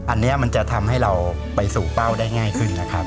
อันนี้มันจะทำให้เราไปสู่เป้าได้ง่ายขึ้นนะครับ